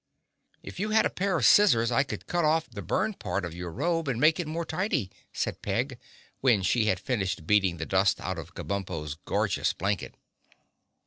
"If you had a pair of scissors, I could cut off the burned part of your robe and make it more tidy," said Peg, when she had finished beating the dust out of Kabumpo's gorgeous blanket.